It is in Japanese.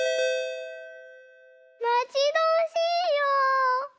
まちどおしいよ！